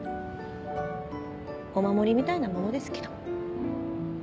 お守りみたいなものですけど。